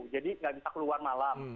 jadi tidak bisa keluar malam